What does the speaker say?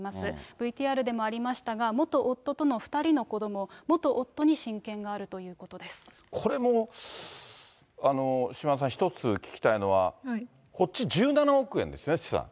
ＶＴＲでもありましたが、元夫との２人の子ども、これも、島田さん、一つ聞きたいのは、こっち、１７億円ですね、資産。